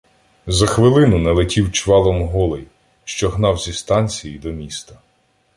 За хвилину налетів чвалом Голий, що гнав зі станції до міста.